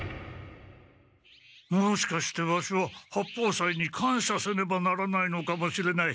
もしかしてワシは八方斎にかんしゃせねばならないのかもしれない。